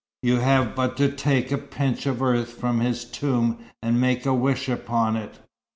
You have but to take a pinch of earth from his tomb, and make a wish upon it.